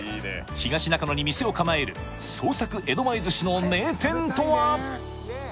東中野に店を構える創作江戸前寿司の名店とは？